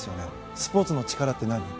スポーツの力って何？